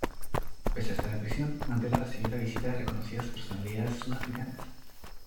Pese a estar en prisión, Mandela recibió la visita de reconocidas personalidades sudafricanas.